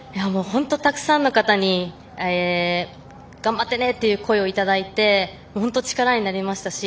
本当にたくさんの方に頑張ってねという声をいただいて本当に力になりましたし。